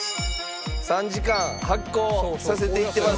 ３時間発酵させていってます。